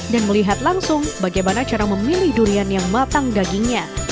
dan melihat langsung bagaimana cara memilih durian yang matang dagingnya